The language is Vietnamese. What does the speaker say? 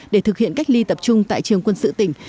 để thực hiện cách ly tập trung tại trường quân sự tỉnh